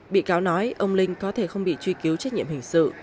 bị cáo nói ông linh có thể không bị truy cứu trách nhiệm hình sự